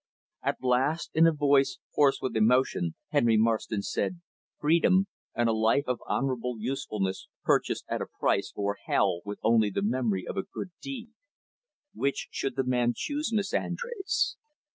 At last, in a voice hoarse with emotion, Henry Marston said, "Freedom and a life of honorable usefulness purchased at a price, or hell, with only the memory of a good deed which should the man choose, Miss Andrés?"